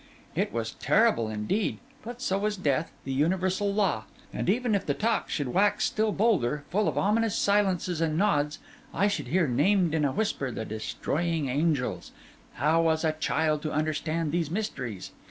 It was terrible, indeed; but so was death, the universal law. And even if the talk should wax still bolder, full of ominous silences and nods, and I should hear named in a whisper the Destroying Angels, how was a child to understand these mysteries?